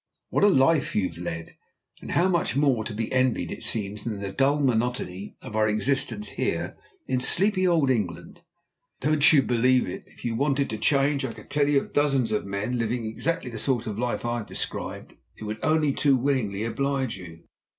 "What a life you've led! And how much more to be envied it seems than the dull monotony of our existence here in sleepy old England." "Don't you believe it. If you wanted to change I could tell you of dozens of men, living exactly the sort of life I've described, who would only too willingly oblige you.